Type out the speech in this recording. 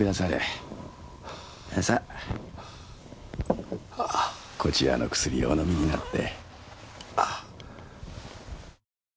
さあこちらの薬をお飲みになって。